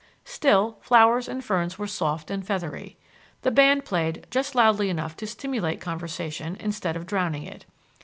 Still, flowers and ferns were soft and feathery. The band played just loudly enough to stimulate conversation instead of drowning it.